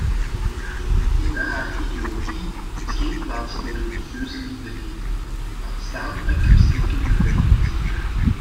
In haar ideologie is geen plaats voor religieuze minderheden, laat staan een christelijke minderheid.